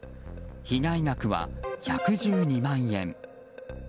被害額は１１２万円。